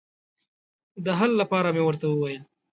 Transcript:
د حل لپاره مې ورته وویل.